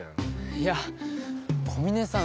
いや小峰さん